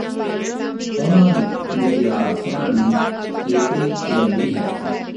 ਉਨ੍ਹਾਂ ਦੇ ਵਿਦਿਆਰਥੀਆਂ ਦੀ ਲੜੀ ਲੰਬੀ ਹੈ